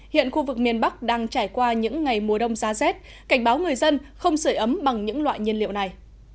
hiện khu vực miền bắc đang trải qua những ngày mùa đông giá rét cảnh báo người dân không sửa ấm bằng những loại nhiên liệu này